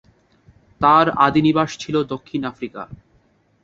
তার আদি নিবাস ছিল দক্ষিণ আফ্রিকা।